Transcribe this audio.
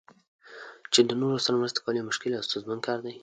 چې د نورو سره مرسته کول یو مشکل او ستونزمن کار دی.